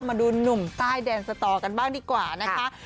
มาดูหนุ่มใต้แดนสตอกันบ้างดีกว่านะคะ